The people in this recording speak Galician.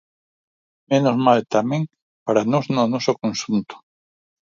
Menos mal, tamén, para nós no noso conxunto.